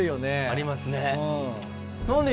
ありますね。